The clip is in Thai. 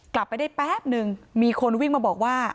กลับไปได้แป๊บนึงมีคนวิ่งมาบอกว่า